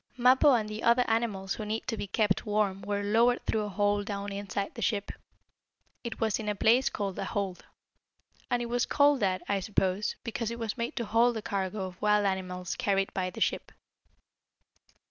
Mappo and the other animals who need to be kept warm were lowered through a hole down inside the ship. It was in a place called a "hold." And it was called that, I suppose, because it was made to hold the cargo of wild animals carried by the ship.